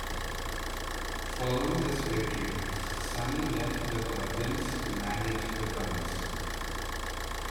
Following this victory, Sunny left the Godwinns to manage the Gunns.